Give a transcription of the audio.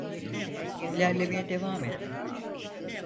İlerlemeye devam et.